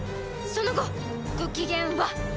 その後ご機嫌は？